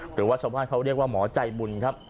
หรือว่าชาวบ้านเขาเรียกว่าหมอใจบุญครับ